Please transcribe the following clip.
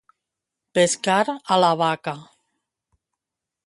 Pescar a la vaca.